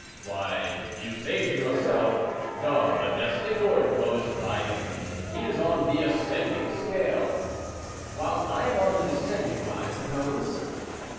"Why, you say to yourself, Dom Modeste Gorenflot is rising—he is on the ascending scale." "While I am on the descending one, I suppose?"